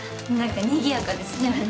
何かにぎやかですね。